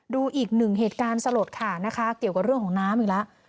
ดูอีกหนึ่งเหตุการณ์สลดค่ะนะคะเกี่ยวกับเรื่องของน้ำอีกแล้ว